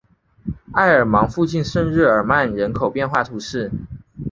埃尔芒附近圣日耳曼人口变化图示